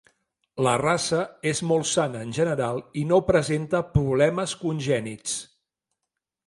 La raça és molt sana en general i no presenta problemes congènits.